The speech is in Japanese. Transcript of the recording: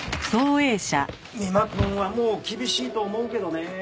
三馬くんはもう厳しいと思うけどね。